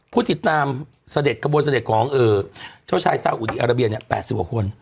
ผู้ติดตามเสด็จกระบวนเสด็จของเจ้าชายซาอุดีอาราเบียเนี่ย๘๐กว่าคน